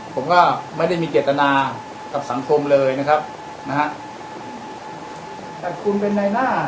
ผมก็ไม่ได้มีเจตนากับสังคมเลยนะครับนะฮะแต่คุณเป็นในหน้า